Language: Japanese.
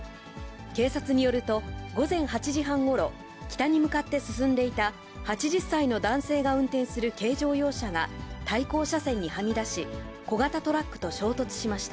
警察によると、午前８時半ごろ、北に向かって進んでいた８０歳の男性が運転する軽乗用車が、対向車線にはみ出し、小型トラックと衝突しました。